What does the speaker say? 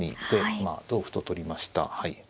まあ同歩と取りました。